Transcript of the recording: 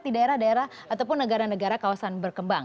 di daerah daerah ataupun negara negara kawasan berkembang